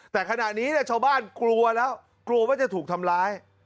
แต่ขณะนี้ชาวบ้านกลัวแล้วกลัวว่าจะถูกทำร้าย